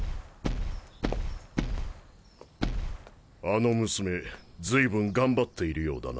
あの娘ずいぶん頑張っているようだな。